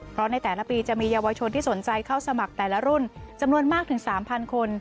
เพราะในแต่ละปีจะมีเยาวชนที่สนใจเข้าสมัครแต่ละรุ่นจำนวนมากถึง๓๐๐คน